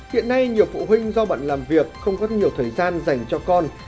hiện nay nhiều phụ huynh do bận làm việc không có nhiều thời gian dành cho con